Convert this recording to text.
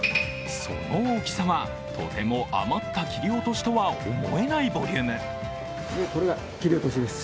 その大きさは、とても余った切り落としとは思えないボリューム。